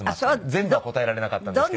全部は答えられなかったんですが。